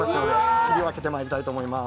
切り分けてまいりたいと思います。